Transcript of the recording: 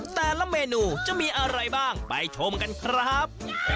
แต่ละเมนูจะมีอะไรบ้างไปชมกันครับ